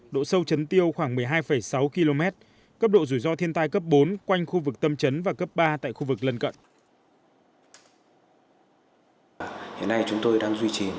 độ sâu chấn tiêu khoảng một mươi hai sáu km cấp độ rủi ro thiên tai cấp bốn quanh khu vực tâm trấn và cấp ba tại khu vực lân cận